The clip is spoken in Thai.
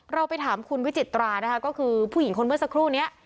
เราไปถามคุณวิจิตรานะคะก็คือผู้หญิงคนเมื่อสักครู่นี้